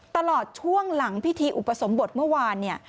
ตลอดช่วงหลังพิธีอุปสมบทเมื่อวานเนี่ย